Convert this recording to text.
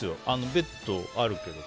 ベッドあるけど。